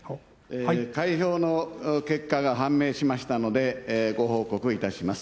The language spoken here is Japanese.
開票の結果が判明しましたので、ご報告いたします。